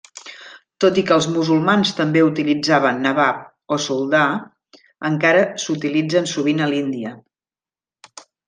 Tot i que els musulmans també utilitzaven nabab o soldà, encara s'utilitzen sovint a l’Índia.